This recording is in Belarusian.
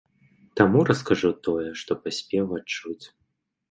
Таму раскажу тое, што паспеў адчуць.